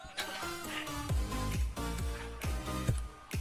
japo wanahistoria wa kimamboleo wanarekodi kuwa kati ya mwaka elfu moja mia sita Dola